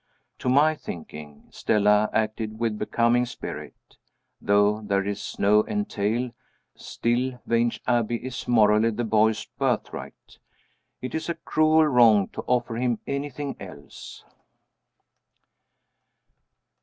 To my thinking, Stella acted with becoming spirit. Though there is no entail, still Vange Abbey is morally the boy's birthright it is a cruel wrong to offer him anything else.